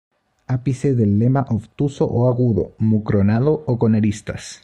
Ápice del lema obtuso, o agudo; mucronado, o con aristas.